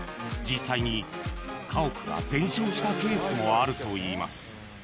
［実際に家屋が全焼したケースもあるといいます］